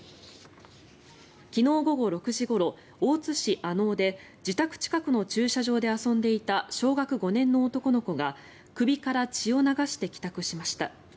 昨日午後６時ごろ大津市穴太で自宅近くの駐車場で遊んでいた小学５年の男の子が首から血を流して帰宅しました。